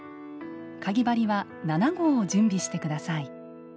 かぎ針は７号を準備してください。